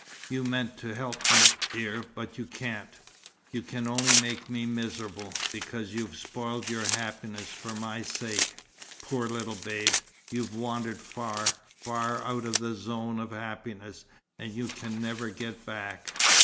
You meant to help me, dear, but you can't. You can only make me miserable, because you've spoiled your happiness for my sake. Poor little Babe, you've wandered far, far out of the zone of happiness, and you can never get back.